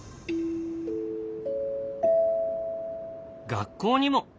学校にも。